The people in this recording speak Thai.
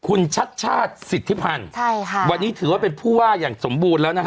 คุณชัดชาติสิทธิพันธ์ใช่ค่ะวันนี้ถือว่าเป็นผู้ว่าอย่างสมบูรณ์แล้วนะฮะ